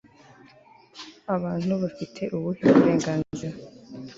abantu bafite ubuhe burenganzira